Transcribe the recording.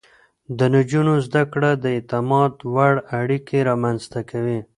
د نجونو زده کړه د اعتماد وړ اړيکې رامنځته کوي.